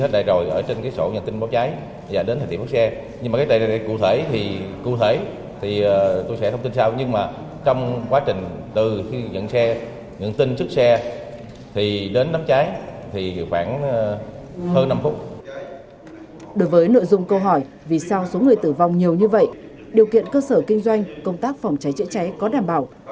đối với nội dung câu hỏi vì sao số người tử vong nhiều như vậy điều kiện cơ sở kinh doanh công tác phòng cháy chữa cháy có đảm bảo